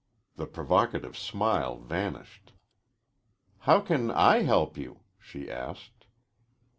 The provocative smile vanished. "How can I help you?" she asked.